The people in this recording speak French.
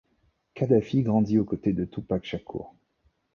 Kadafi grandit aux côtés de Tupac Shakur.